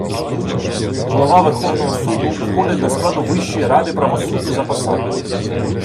Голова Верховного Суду входить до складу Вищої ради правосуддя за посадою.